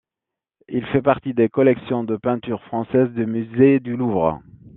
Il fait partie des collections de peintures françaises du musée du Louvre.